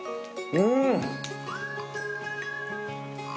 うん！